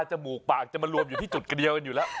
จมูกปากจะมารวมอยู่ที่จุดกระเดียวกันอยู่แล้ว